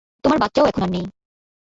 তোমার বাচ্চাও এখন আর নেই।